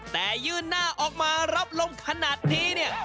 แต่ยื่นหน้าออกมารับลมขนาดนี้เนี่ย